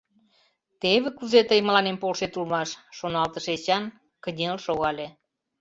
«Теве кузе тый мыланем полшет улмаш», — шоналтыш Эчан, кынел шогале.